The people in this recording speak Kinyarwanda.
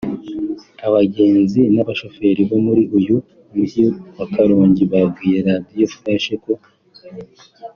Abagenzi n’abashoferi bo muri uyu Mujyi wa Karongi babwiye Radio Flash ko